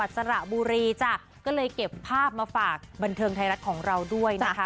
สระบุรีจ้ะก็เลยเก็บภาพมาฝากบันเทิงไทยรัฐของเราด้วยนะคะ